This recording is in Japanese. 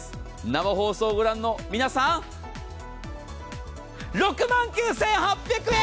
生放送をご覧の皆さん６万９８００円。